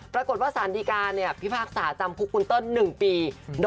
ปรากฏว่าสารดีการพิพากษาจำคุกคุณเติ้ล๑ปี